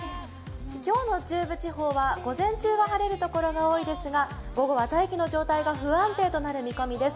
今日の中部地方は午前中は晴れるところが多いですが午後は大気の状態が不安定となる見込みです。